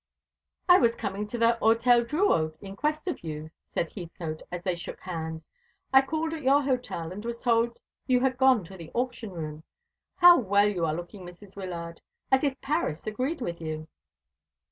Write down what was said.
"I was coming to the Hôtel Drouot in quest of you," said Heathcote, as they shook hands. "I called at your hotel, and was told you had gone to the auction room. How well you are looking, Mrs. Wyllard as if Paris agreed with you!"